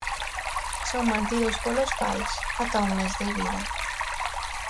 Son mantidos polos pais ata o mes de vida.